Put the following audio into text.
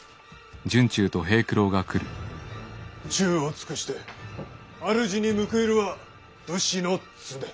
忠を尽くして主に報いるは武士の常。